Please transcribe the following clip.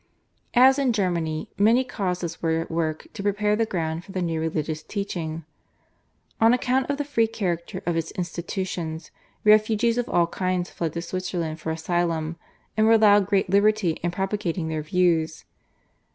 As in Germany, many causes were at work to prepare the ground for the new religious teaching. On account of the free character of its institutions refugees of all kinds fled to Switzerland for asylum, and were allowed great liberty in propagating their views.